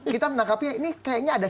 kita menangkapnya ini kayaknya ada